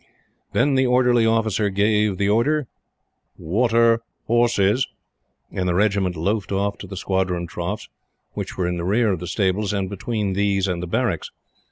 Then the Orderly Officer gave the order: "Water horses," and the Regiment loafed off to the squadron troughs, which were in rear of the stables and between these and the barracks.